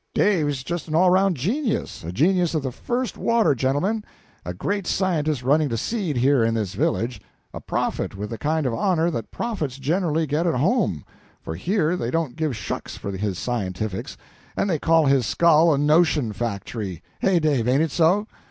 Dave's just an all round genius a genius of the first water, gentlemen; a great scientist running to seed here in this village, a prophet with the kind of honor that prophets generally get at home for here they don't give shucks for his scientifics, and they call his skull a notion factory hey, Dave, ain't it so?